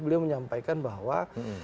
beliau menyampaikan bahwa